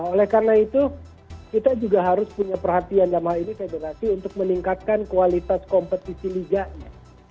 oleh karena itu kita juga harus punya perhatian dalam hal ini federasi untuk meningkatkan kualitas kompetisi liganya